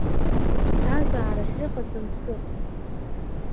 Ԥсҭазаара ахьыҟаӡам сыҟан.